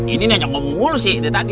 ini nyanyi ngomong mulu sih dari tadi